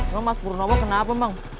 mas purnowo kenapa bang